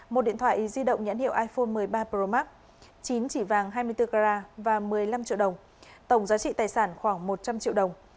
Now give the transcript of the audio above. một điện thoại di động nhãn hiệu iphone một mươi ba pro max chín chỉ vàng hai mươi bốn gra và một mươi năm triệu đồng tổng giá trị tài sản khoảng một trăm linh triệu đồng